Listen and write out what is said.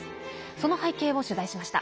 その背景を取材しました。